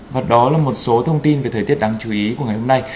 và đó là một số thông tin về thời tiết đáng chú ý của ngày hôm nay